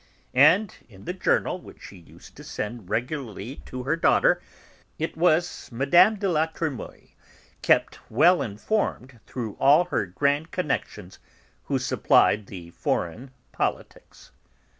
And, in the journal which she used to send regularly to her daughter, it was Mme. de La Trémouaille, kept well informed through all her grand connections, who supplied the foreign politics."